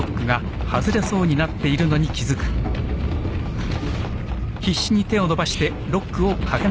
あっ。